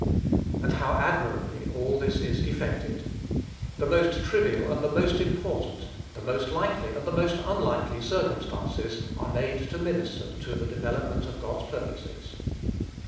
And how admirably all this is effected! The most trivial and the most important, the most likely and the most unlikely circumstances are made to minister to the development of God's purposes.